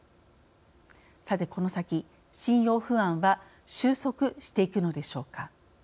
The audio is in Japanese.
さて、この先、信用不安は収束していくのでしょうか。